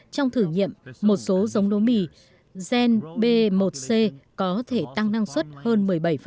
trong thử nghiệm một số giống lúa mì gen b một c có thể tăng năng suất hơn một mươi bảy